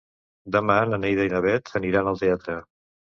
Demà na Neida i na Bet aniran al teatre.